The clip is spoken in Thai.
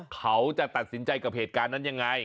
เขาจะตัดสินใจกับเหตุการณ์นั้นยังไง